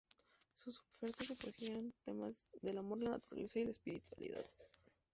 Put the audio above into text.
Sus ofertas de poesía eran temas del amor, la naturaleza y la espiritualidad.